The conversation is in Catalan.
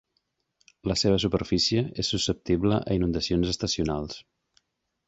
La seva superfície és susceptible a inundacions estacionals.